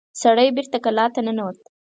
سړی بېرته کلا ته ننوت.